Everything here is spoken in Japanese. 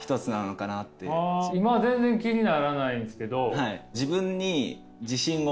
今全然気にならないんですけど。